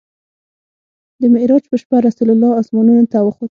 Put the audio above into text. د معراج په شپه رسول الله اسمانونو ته وخوت.